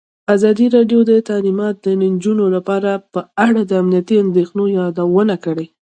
ازادي راډیو د تعلیمات د نجونو لپاره په اړه د امنیتي اندېښنو یادونه کړې.